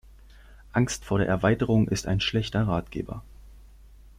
Angst vor der Erweiterung ist ein schlechter Ratgeber.